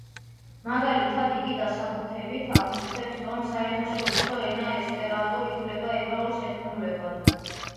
მაგალითად, იგი დასაბუთებით ამტკიცებს, რომ საერთაშორისო ენა ესპერანტო ითვლება ებრაულ შეთქმულებად.